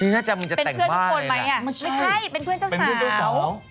ลีน่าจังมันจะแต่งบ้าอะไรแหละ